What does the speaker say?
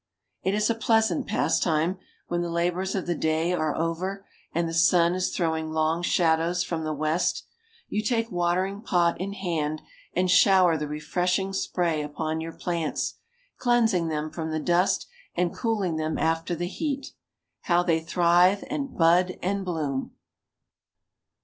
It is a pleasant pastime, when the labors of the day are over, and the sun is throwing long shadows from the west, you take watering pot in hand, and shower the refreshing spray upon your plants, cleansing them from the dust, and cooling them after the heat. How they thrive, and bud and bloom!